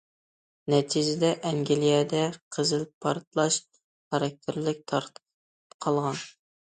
نەتىجىدە، ئەنگلىيەدە قىزىل پارتلاش خاراكتېرلىك تارقالغان.